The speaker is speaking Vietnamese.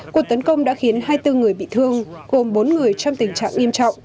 cuộc tấn công đã khiến hai mươi bốn người bị thương gồm bốn người trong tình trạng nghiêm trọng